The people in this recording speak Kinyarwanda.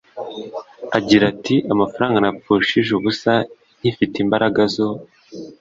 Agira ati “Amafaranga napfushije ubusa nkifite imbaraga zo